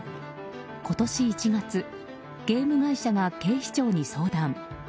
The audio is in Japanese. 今年１月ゲーム会社が警視庁に相談。